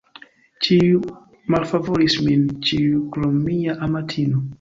Ĉiuj malfavoris min, ĉiuj, krom mia amatino.